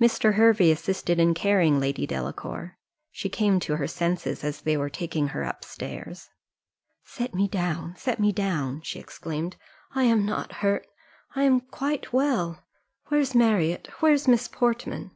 Mr. Hervey assisted in carrying Lady Delacour she came to her senses as they were taking her up stairs. "Set me down, set me down," she exclaimed: "I am not hurt I am quite well, Where's Marriott? Where's Miss Portman?"